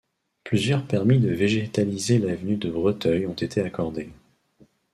Plusieurs permis de végétaliser l'avenue de Breteuil ont été accordés.